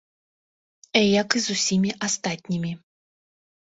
Як і з усімі астатнімі.